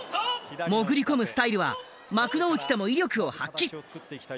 潜り込むスタイルは幕内でも威力を発揮。